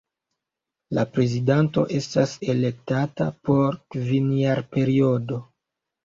La prezidanto estas elektata por kvinjarperiodo.